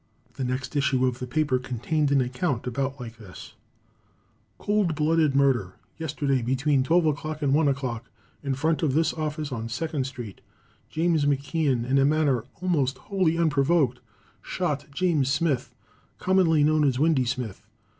The next issue of the paper contained an account about like this: Cold Blooded Murder. Yesterday, between 12 and 1 o'clock, in front of this office on Second street, James McKeon, in a manner almost wholly unprovoked, shot James Smith, commonly known as Windy Smith.